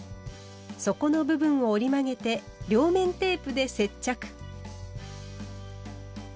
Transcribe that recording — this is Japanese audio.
底の部分を折り曲げて両面テープで接着。